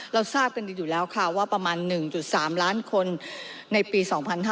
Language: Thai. เราทราบกันดีอยู่แล้วค่ะว่าประมาณ๑๓ล้านคนในปี๒๕๕๙